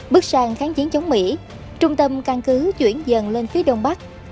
bước sang kháng chiến chống mỹ trung tâm căn cứ chuyển dần lên phía đông bắc